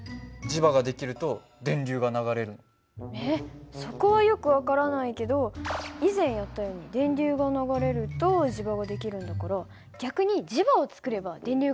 えっそこはよく分からないけど以前やったように電流が流れると磁場ができるんだから逆に磁場を作れば電流が流れるんじゃないかな。